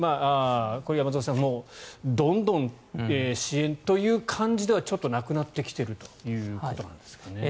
山添さんどんどん支援という感じではちょっとなくなってきているということなんですかね。